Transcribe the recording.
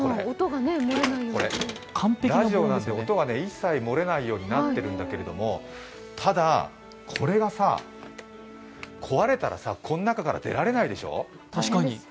これ、ラジオなんで、音が一切漏れないようになっているんだけど、ただ、これがさ、壊れたらさ、こん中から出られないでしょう。